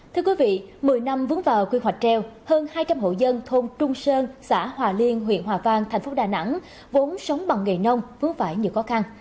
thưa quý vị một mươi năm vướng vào quy hoạch treo hơn hai trăm linh hộ dân thôn trung sơn xã hòa liên huyện hòa vang thành phố đà nẵng vốn sống bằng nghề nông vướng phải nhiều khó khăn